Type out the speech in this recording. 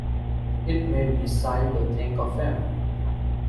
It made me sigh to think of him.